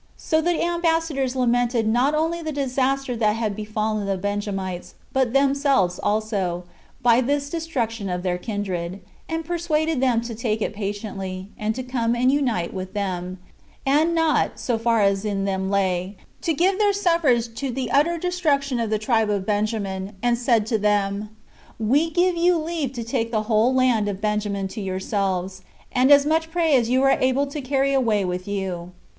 So the ambassadors lamented not only the disaster that had befallen the Benjamites, but themselves also, by this destruction of their kindred; and persuaded them to take it patiently; and to come and unite with them, and not, so far as in them lay, to give their suffrage to the utter destruction of the tribe of Benjamin; and said to them, "We give you leave to take the whole land of Benjamin to yourselves, and as much prey as you are able to carry away with you."